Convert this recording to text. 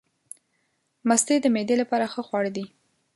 مستې د معدې لپاره ښه خواړه دي.